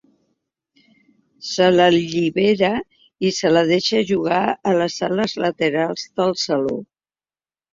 Se l'allibera i se la deixa jugar a les sales laterals del saló.